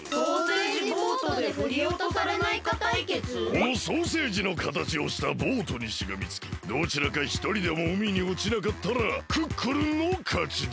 このソーセージのかたちをしたボートにしがみつきどちらかひとりでもうみにおちなかったらクックルンのかちだ！